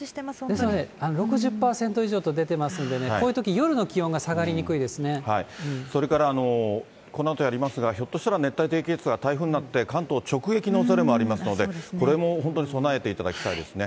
ですので６０％以上と出てますのでね、こういうとき、夜の気それからこのあとやりますが、ひょっとしたら、熱帯低気圧が台風になって関東直撃のおそれもありますので、これも本当に備えていただきたいですね。